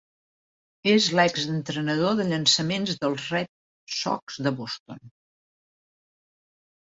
És l'exentrenador de llançaments dels Red Sox de Boston.